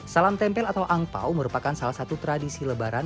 salam tempel atau angpau merupakan salah satu tradisi lebaran